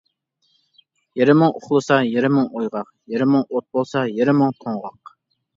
يېرىمىڭ ئۇخلىسا، يېرىمىڭ ئويغاق، يېرىمىڭ ئوت بولسا، يېرىمىڭ توڭغاق.